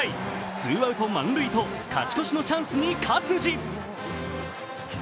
ツーアウト満塁と勝ち越しのチャンスに勝児。